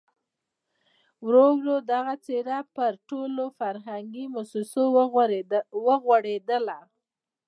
ورو ورو دغه څېره پر ټولو فرهنګي مؤسسو وغوړېدله.